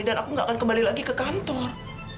dan aku gak akan kembali lagi ke kantor